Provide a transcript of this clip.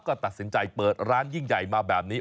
ก็ตัดสินใจเปิดร้านยิ่งใหญ่มาแบบนี้